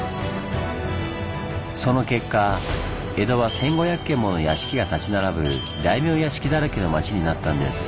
その結果江戸は１，５００軒もの屋敷が立ち並ぶ大名屋敷だらけの町になったんです。